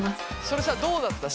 それさどうだった？